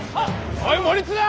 おい守綱！